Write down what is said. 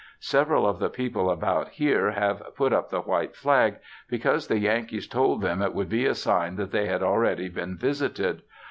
Several of the people about here have put up the white flag, because the Yankees told them it would be a sign that they had already been visited.